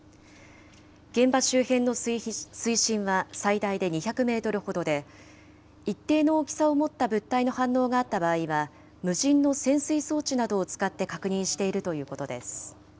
現場周辺の水深は最大で２００メートルほどで、一定の大きさを持った物体の反応があった場合は、無人の潜水装置などを使って確認しているということです。